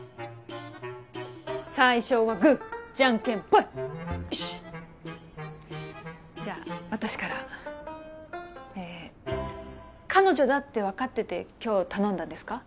最初はグージャンケンポイよしっじゃあ私からえ彼女だって分かってて今日頼んだんですか？